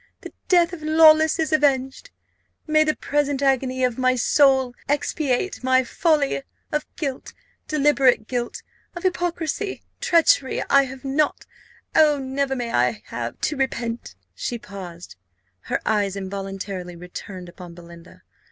the death of Lawless is avenged. May the present agony of my soul expiate my folly! Of guilt deliberate guilt of hypocrisy treachery I have not oh, never may I have to repent!" She paused her eyes involuntarily returned upon Belinda.